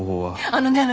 あのね